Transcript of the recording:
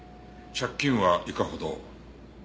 借金はいかほど？